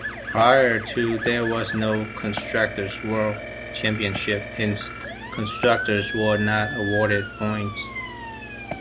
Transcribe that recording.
Prior to there was no Constructor's World Championship, hence constructors were not awarded points.